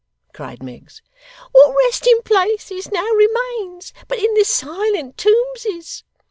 cried Miggs. 'What resting places now remains but in the silent tombses!